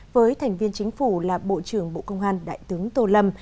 với thành viên chính phủ là bộ trưởng bộ công an đại tướng tô lâm